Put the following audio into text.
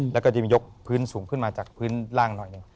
แล้วก็จะยกพื้นสูงขึ้นมาจากพื้นล่างหน่อยหนึ่ง